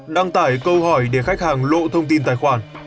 đăng tải câu hỏi để khách hàng lộ thông tin tài khoản